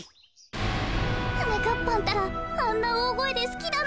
こころのこえはなかっぱんったらあんなおおごえですきだなんて。